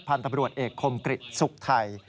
พันธ์ตำรวจเอกคมกฤษสุขไทย